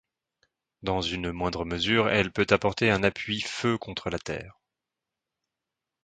Dans une moindre mesure elle peut apporter un appui feu contre la terre.